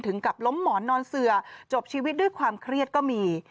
กับล้มหมอนนอนเสือจบชีวิตด้วยความเครียดก็มี